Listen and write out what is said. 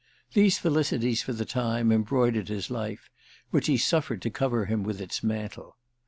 These felicities, for the time, embroidered his life, which he suffered to cover him with its mantle.